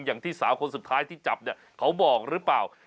อย่างที่สาวคนสุดท้ายที่จับเนี่ยเขาบอกหรือเปล่า